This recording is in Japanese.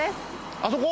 あそこ？